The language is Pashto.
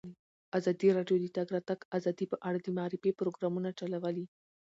ازادي راډیو د د تګ راتګ ازادي په اړه د معارفې پروګرامونه چلولي.